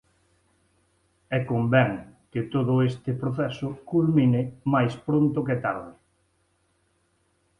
E convén que todo este proceso culmine máis pronto que tarde.